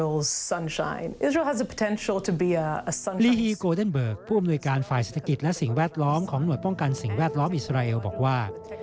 ลีฮีโกเดนเบิร์กผู้อำนวยการฝ่ายเศรษฐกิจและสิ่งแวดล้อมของหน่วยป้องกันสิ่งแวดล้อมอิสราเอลบอกว่า